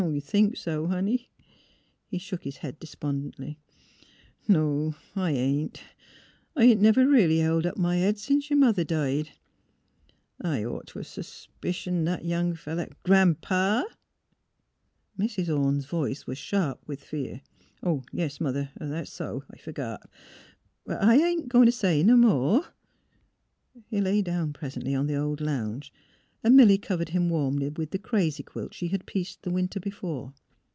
*• Think so, honey? " He shook his head, despondently. 102 THE HEART OF PHILURA *' Nope, I ain't. I ain't never really held up my head since your mother died. I'd ought t' 'a* suspicioned that young feller "" Gran 'pa! " Mrs. Orne's voice was sharp with fear. '^ Yes, Mother; tha's so. I f ergot. But I ain't a goin' t' say no more." He lay down presently on the old lounge and Milly covered him warmly with the crazy quilt she had pieced the winter before.